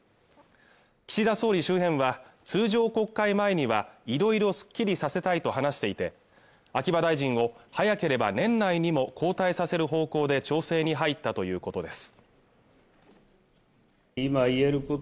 岸田総理周辺は通常国会前には色々スッキリさせたいと話していて秋葉大臣を早ければ年内にも交代させる方向で調整に入ったということです